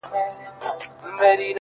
• ترڅو له ماڅخه ته هېره سې؛